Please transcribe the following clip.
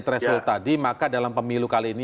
threshold tadi maka dalam pemilu kali ini